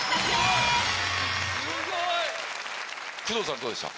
すごい！工藤さんどうでした？